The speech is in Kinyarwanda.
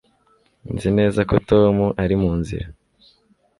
Nzi neza ko Tom ari mu nzira